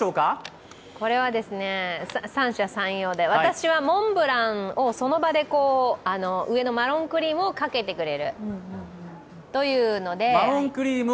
これはですね、三者三様で、私はモンブランを、その場で、マロンクリームをかけてくれる。